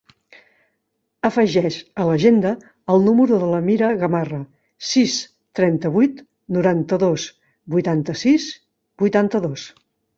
Afegeix a l'agenda el número de l'Amira Gamarra: sis, trenta-vuit, noranta-dos, vuitanta-sis, vuitanta-dos.